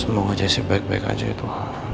semoga jessi baik baik aja itu